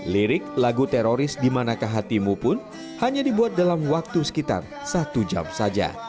lirik lagu teroris dimanakah hatimu pun hanya dibuat dalam waktu sekitar satu jam saja